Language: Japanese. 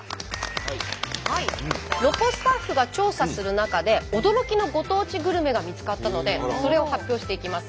ロコスタッフが調査する中で驚きのご当地グルメが見つかったのでそれを発表していきます。